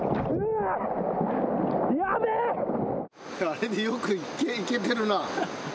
あれでよくいけてるな。